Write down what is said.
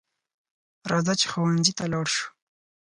راځه چې ښوونځي ته لاړ شو